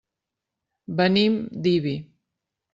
Venim d'Ibi.